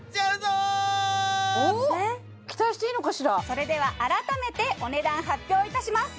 それでは改めてお値段発表いたします